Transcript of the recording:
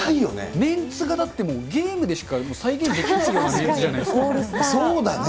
メンツがだって、ゲームでしか再現できないようなメンツじゃそうだね。